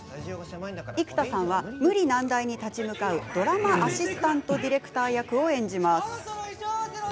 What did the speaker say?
生田さんは無理難題に立ち向かうドラマアシスタントディレクター役を演じます。